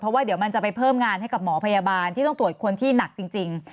เพราะว่าเดี๋ยวมันจะไปเพิ่มงานให้กับหมอพยาบาลที่ต้องตรวจคนที่หนักจริง